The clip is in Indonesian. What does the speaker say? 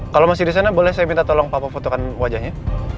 kalau masih di sana boleh saya minta tolong pak memfotokan wajahnya